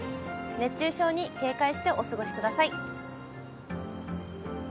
熱中症に警戒してお過ごしください。